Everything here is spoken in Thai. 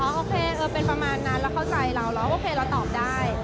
โอเคเป็นประมาณนั้นเราเข้าใจเราแล้วโอเคเราตอบได้